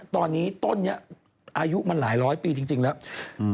ตอนนี้ต้นนี้อายุมันหลายร้อยปีจริงแล้ว